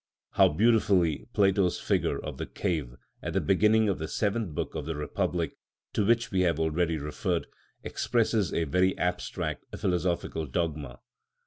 How beautifully Plato's figure of the Cave, at the beginning of the seventh book of the "Republic" to which we have already referred, expresses a very abstract philosophical dogma.